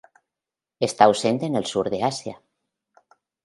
Está ausente en el sur de Asia.